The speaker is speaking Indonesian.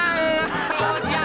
mengkunglah oh tiang